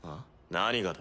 何がだ？